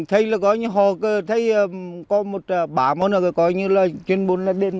hướng tới mục tiêu